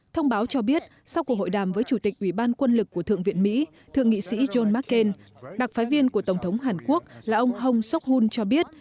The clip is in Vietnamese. thông báo cho biết sau cuộc hội đàm với chủ tịch ủy ban quân lực của thượng viện mỹ thượng nghị sĩ john mccain đặc phái viên của tổng thống hàn quốc là ông hong sokhun cho biết